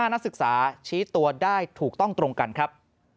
นักศึกษาชี้ตัวได้ถูกต้องตรงกันครับ